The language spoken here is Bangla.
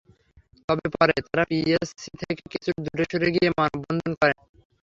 তবে পরে তাঁরা পিএসসি থেকে কিছুটা দূরে সরে গিয়ে মানববন্ধন করেন।